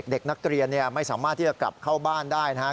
เด็กนักเรียนไม่สามารถที่จะกลับเข้าบ้านได้นะครับ